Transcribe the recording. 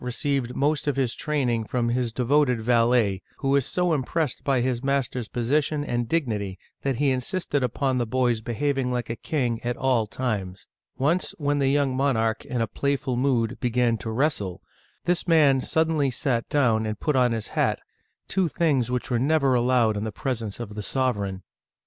received most of his training from his devoted valet, who was so impressed by his master's position and dignity that he insisted upon the boy's be having like a king at all times. Once, when the young monarch, in playful mood, began to wrestle, this man suddenly sat down and put on his hat, two things which were never allowed in the presence of the sovereign.